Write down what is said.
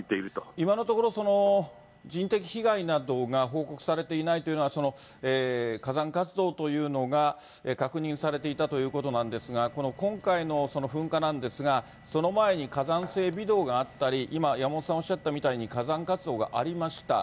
今のところ、人的被害などが報告されていないというのは、その火山活動というのが確認されていたということなんですが、この今回の噴火なんですが、その前に火山性微動があったり、今、山元さんおっしゃったみたいに火山活動がありました。